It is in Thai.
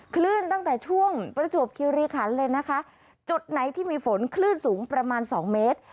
คลื่นตั้งแต่ช่วงประจวบคิริขันเลยนะคะจุดไหนที่มีฝนคลื่นสูงประมาณสองเมตร